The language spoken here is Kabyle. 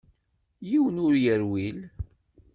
Yiwen ur yerwil.